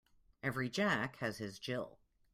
Every Jack has his Jill.